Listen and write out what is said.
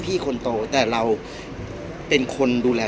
พี่อัดมาสองวันไม่มีใครรู้หรอก